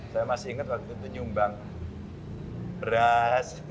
saya masih ingat waktu itu nyumbang beras